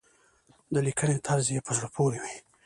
د لیکنې طرز يې په زړه پورې وي.